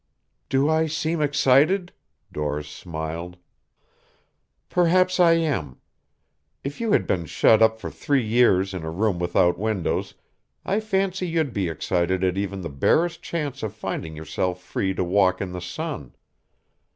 "Do I seem excited?" Doris smiled. "Perhaps I am. If you had been shut up for three years in a room without windows, I fancy you'd be excited at even the barest chance of finding yourself free to walk in the sun.